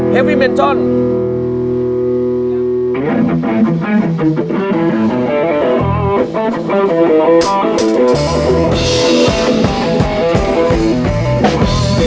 เฮฟวีเมนต์จอร์น